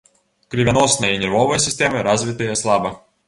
Крывяносная і нервовая сістэмы развітыя слаба.